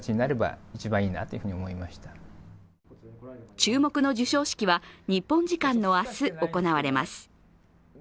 注目の授賞式は日本時間の明日、行われます。